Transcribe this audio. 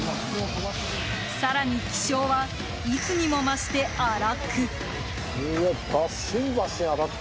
更に気性はいつにも増して荒く。